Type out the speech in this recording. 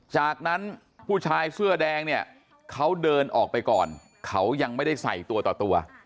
จากนั้นผู้ชายเสื้อแดงเนี่ยเขาเดินออกไปก่อนเขายังไม่ได้ใส่ตัวต่อตัว